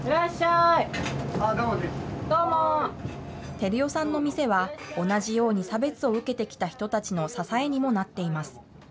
照代さんの店は、同じように差別を受けてきた人たちの支えにもなっています。